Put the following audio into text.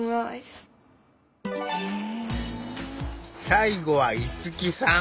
最後は逸樹さん。